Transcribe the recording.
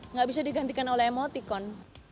nggak bisa digantikan oleh emoticon